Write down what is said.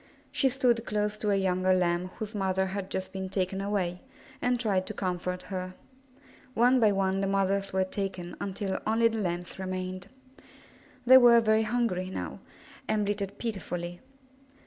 She stood close to a younger Lamb whose mother had just been taken away, and tried to comfort her. One by one the mothers were taken until only the Lambs remained. They were very hungry now, and bleated pitifully.